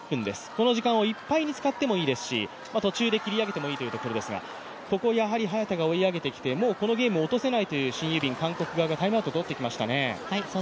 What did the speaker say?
この時間をいっぱいに使ってもいいですし途中で切り上げてもいいというところですが、ここやはり早田が追い上げてきてもうこの試合、落とせないという韓国側がタイムアウトをとってきましたね。